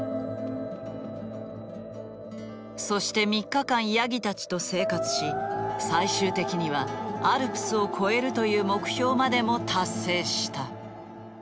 そして３日間ヤギたちと生活し最終的にはアルプスを越えるという目標までも達成した。